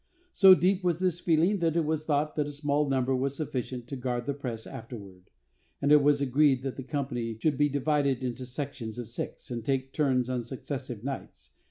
So deep was this feeling that it was thought that a small number was sufficient to guard the press afterward; and it was agreed that the company should be divided into sections of six, and take turns on successive nights.